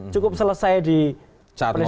cukup selesai di presiden